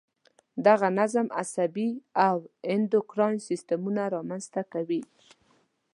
دغه نظم عصبي او انډوکراین سیستمونه را منځته کوي.